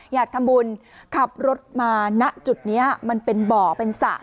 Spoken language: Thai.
อยากทำบุญขับรถมาณจุดนี้มันเป็นบ่อเป็นสระ